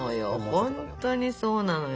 本当にそうなのよ。